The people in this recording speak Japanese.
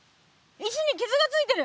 石にきずがついてる！